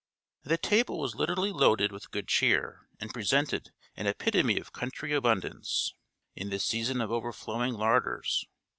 [I] The table was literally loaded with good cheer, and presented an epitome of country abundance, in this season of overflowing larders.